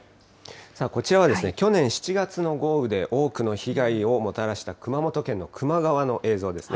こちらは去年７月の豪雨で多くの被害をもたらした熊本県の球磨川の映像ですね。